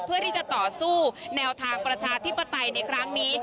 เพื่อที่จะต่อสู้แนวทางประชาธิปไตยในครั้งนี้